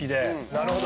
なるほど。